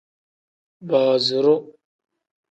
Booziru.